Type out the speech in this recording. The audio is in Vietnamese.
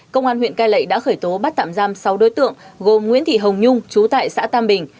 công an huyện cai lệ đã khởi tố bắt tạm giam sáu đối tượng gồm nguyễn thị hồng nhung trú tại xã tam bình